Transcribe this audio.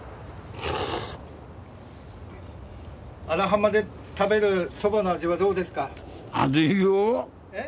荒浜で食べるそばの味はどうですか？